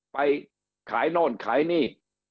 ไปขายโน่นขายนี่